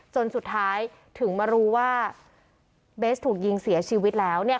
จนสุดท้ายถึงมารู้ว่าเบสถูกยิงเสียชีวิตแล้วเนี่ย